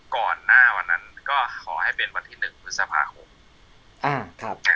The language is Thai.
ก่อนหน้าวันนั้นก็ขอให้เป็นวันที่หนึ่งพฤษภาคมอืมครับ